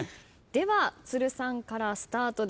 では都留さんからスタートです。